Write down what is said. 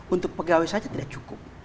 untuk pegawai saja tidak cukup